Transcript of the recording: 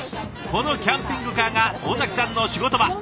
このキャンピングカーが尾崎さんの仕事場。